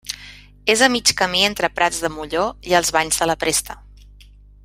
És a mig camí entre Prats de Molló i els Banys de la Presta.